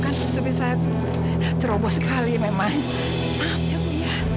jangan khawatir bingok gua mau lihat ya